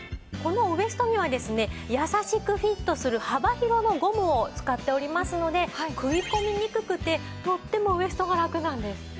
このウエストにはですね優しくフィットする幅広のゴムを使っておりますので食い込みにくくてとってもウエストがラクなんです。